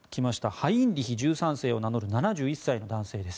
ハインリヒ１３世を名乗る７１歳の男性です。